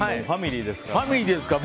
ファミリーですからね。